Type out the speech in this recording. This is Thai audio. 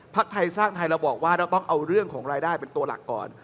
ไทยสร้างไทยเราบอกว่าเราต้องเอาเรื่องของรายได้เป็นตัวหลักก่อน